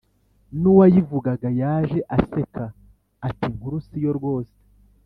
n’uwayivugaga yaje aseka ati inkuru siyo rwose